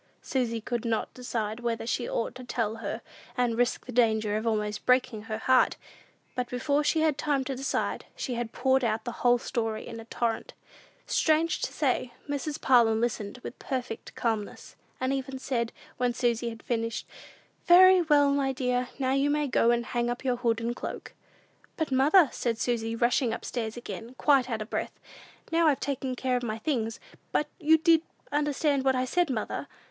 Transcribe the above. Susy could not decide whether she ought to tell her, and risk the danger of almost breaking her heart! But before she had time to decide, she had poured out the whole story in a torrent. Strange to say, Mrs. Parlin listened with perfect calmness, and even said, when Susy had finished, "Very well, my dear; now you may go and hang up your hood and cloak." "But, mother," said Susy, rushing up stairs again, quite out of breath, "now I've taken care of my things; but did you understand what I said, mother?